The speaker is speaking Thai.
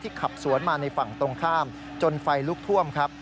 ขับสวนมาในฝั่งตรงข้ามจนไฟลุกท่วมครับ